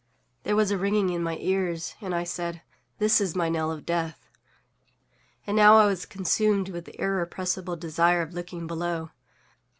There was a ringing in my ears, and I said, "This is my knell of death!" And now I was consumed with the irrepressible desire of looking below.